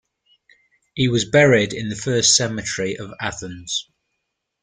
He was buried in the First Cemetery of Athens.